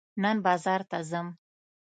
نن بازار ته ځم.